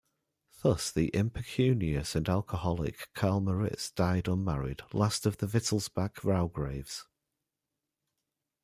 Thus the impecunious and alcoholic Karl-Moritz died unmarried, last of the Wittelsbach raugraves.